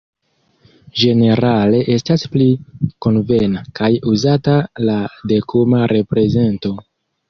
Ĝenerale estas pli konvena kaj uzata la dekuma reprezento.